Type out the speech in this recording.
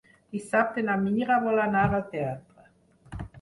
Dissabte na Mira vol anar al teatre.